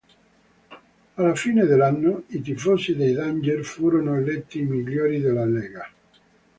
Alla fine dell'anno i tifosi dei Danger furono eletti i migliori della lega.